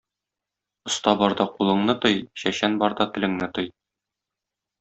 Оста барда кулыңны тый, чәчән барда телеңне тый.